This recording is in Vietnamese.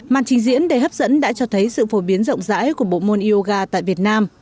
màn trình diễn đầy hấp dẫn đã cho thấy sự phổ biến rộng rãi của bộ môn yoga tại việt nam